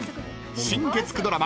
新月９ドラマ